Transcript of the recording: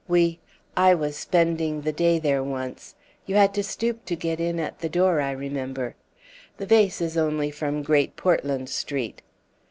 We I was spending the day there once ... you had to stoop to get in at the door, I remember. The vase is only from Great Portland Street."